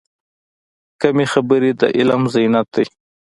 کمې خبرې، د علم زینت دی.